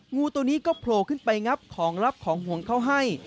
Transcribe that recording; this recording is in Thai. งูตัวนี้ก็โผล่ขึ้นไปงับของลับของห่วงเขาให้